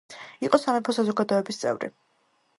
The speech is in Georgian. იყო სამეფო საზოგადოების წევრი.